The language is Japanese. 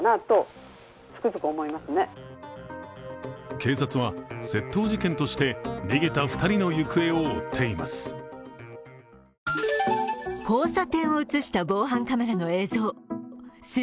警察は窃盗事件として逃げた２人の行方を追っています。